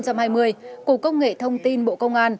cục công nghệ thông tin bộ công an